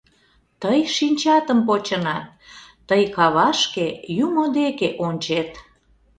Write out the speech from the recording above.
Тый шинчатым почынат, тый кавашке юмо деке ончет.